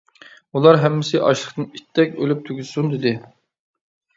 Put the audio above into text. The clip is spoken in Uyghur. ئۇلار ھەممىسى ئاچلىقتىن ئىتتەك ئۆلۈپ تۈگىسۇن-دېدى.